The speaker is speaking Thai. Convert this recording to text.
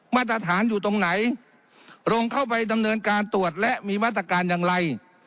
มาตรฐานอยู่ตรงไหนลงเข้าไปดำเนินการตรวจและมีมาตรการอย่างไร